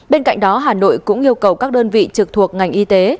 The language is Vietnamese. bên cạnh đó hà nội cũng yêu cầu các đơn vị trực thuộc ngành y tế